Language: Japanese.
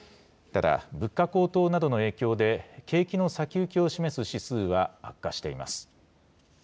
ただ、物価高騰などの影響で、景気の先行きを示す指数は悪化しています。